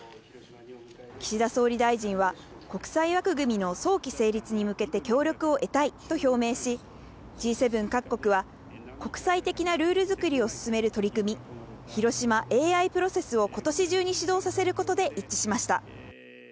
岸田総理大臣は、国際枠組みの早期成立に向けて協力を得たいと表明し、Ｇ７各国は国際的なルール作りを進める取り組み、広島ＡＩプロセスをことし中に始動させることで一致しました。